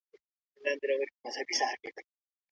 مشاورینو به نړیوال اصول منل.